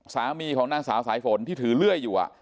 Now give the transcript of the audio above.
สามีของนางสาวสายฝนที่ถือเลื่อยอยู่